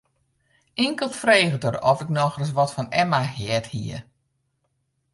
Inkeld frege er oft ik noch ris wat fan Emma heard hie.